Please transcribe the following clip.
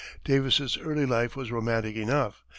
Davis's early life was romantic enough.